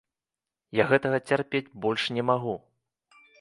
Я гэтага цярпець больш не магу!